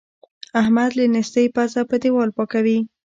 احمد له نېستۍ پزه په دېوال پاکوي.